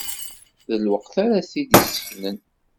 D lwaqt ara t-id-iseknen.